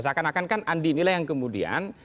seakan akan kan andi inilah yang kemudian